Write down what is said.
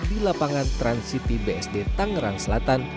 di lapangan trans city bsd tangerang selatan